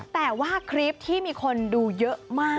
แต่ว่าคลิปที่มีคนดูเยอะมาก